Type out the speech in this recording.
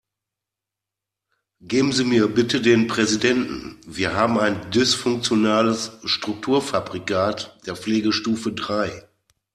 Geben Sie mir bitte den Präsidenten, wir haben ein dysfunktionales Strukturfabrikat der Pflegestufe drei.